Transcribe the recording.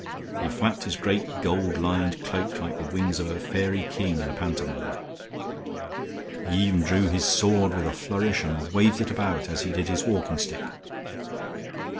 He flapped his great, gold lined cloak like the wings of a fairy king in a pantomime; he even drew his sword with a flourish and waved it about as he did his walking stick.